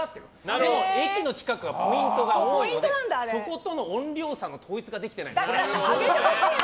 でも駅の近くはポイントが多いので、そことの音量差の統一ができてない。